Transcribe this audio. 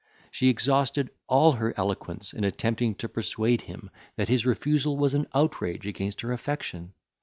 She exhausted all her eloquence in attempting to persuade him that his refusal was an outrage against her affection.